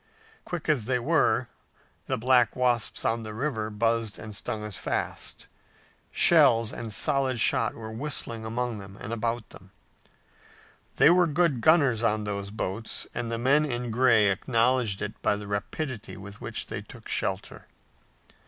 Quick as they were, the black wasps on the river buzzed and stung as fast. Shells and solid shot were whistling among them and about them. They were good gunners on those boats and the men in gray acknowledged it by the rapidity with which they took to shelter.